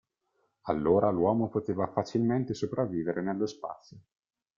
Allora l'uomo poteva facilmente sopravvivere nello spazio.